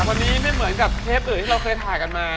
วันนี้ไม่เหมือนกับเทปอื่นที่เราเคยถ่ายกันมา